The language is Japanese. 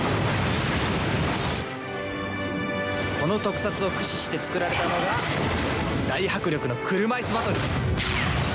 この特撮を駆使して作られたのが大迫力の車いすバトル。